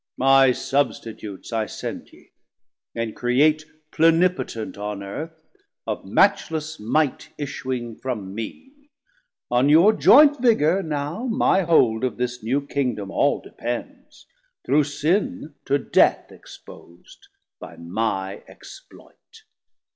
My Substitutes I send ye, and Create Plenipotent on Earth, of matchless might Issuing from mee: on your joynt vigor now My hold of this new Kingdom all depends, Through Sin to Death expos'd by my exploit.